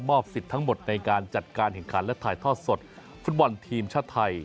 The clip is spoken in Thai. สิทธิ์ทั้งหมดในการจัดการแข่งขันและถ่ายทอดสดฟุตบอลทีมชาติไทย